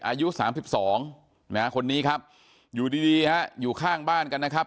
อายุ๓๒นะฮะคนนี้ครับอยู่ดีอยู่ข้างบ้านกันนะครับ